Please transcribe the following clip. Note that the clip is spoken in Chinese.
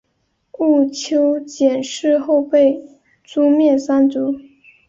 毋丘俭事后被诛灭三族。